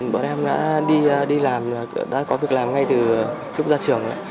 bọn em đã đi làm đã có việc làm ngay từ lúc ra trường